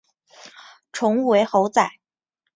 宠物为猴仔。